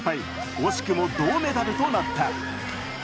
惜しくも銅メダルとなった。